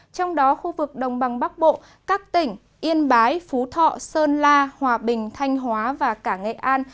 trong đó khu vực đồng bằng bắc bộ các tỉnh yên bái phú thọ sơn la hòa bình thanh hóa và cả nghệ an